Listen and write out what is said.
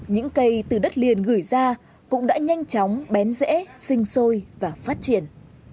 những cây từ đất liền gửi ra cũng đã nhanh chóng bén dễ sinh sôi và phát triển